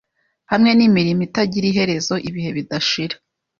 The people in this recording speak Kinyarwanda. Hamwe nimirimo itagira iherezo Ibihe bidashira